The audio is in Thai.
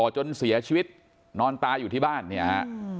จนเสียชีวิตนอนตายอยู่ที่บ้านเนี่ยฮะ